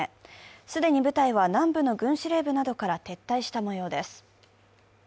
既に部隊は南部の軍司令部などから撤退した模様です。